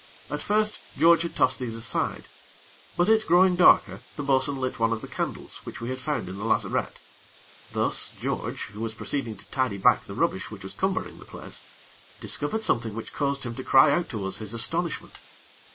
At first George had tossed these aside; but it growing darker the bo'sun lit one of the candles which we had found in the lazarette. Thus, George, who was proceeding to tidy back the rubbish which was cumbering the place, discovered something which caused him to cry out to us his astonishment.